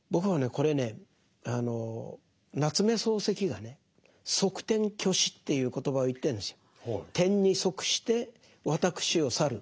これね夏目漱石がね「則天去私」っていう言葉を言ってるんですよ。